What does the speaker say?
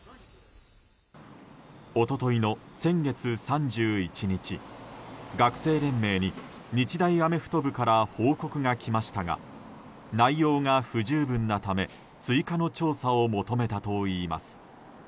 一昨日の先月３１日学生連盟に、日大アメフト部から報告が来ましたが内容が不十分なため追加の調査を求めたといいます。